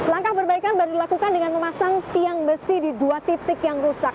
langkah perbaikan baru dilakukan dengan memasang tiang besi di dua titik yang rusak